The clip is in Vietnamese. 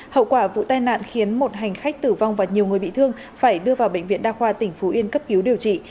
hậu quả vụ tai nạn khiến một hành khách tử vong và nhiều người bị thương phải đưa vào bệnh viện đa khoa tỉnh phú yên cấp cứu điều trị